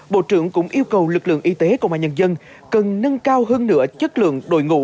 bộ trưởng cũng yêu cầu lực lượng y tế công an nhân dân cần nâng cao hơn nửa chất lượng đội ngũ